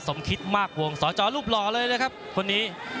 สมคิดมากวงสจรูปหล่อเลยนะครับคนนี้